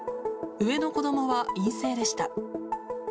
上の子どもは陰性でした。